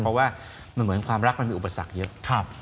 เพราะว่ามันเหมือนความรักมันมีอุปสรรคเยอะ